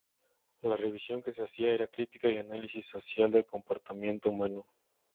La revisión que se hacía era crítica y análisis social del comportamiento humano.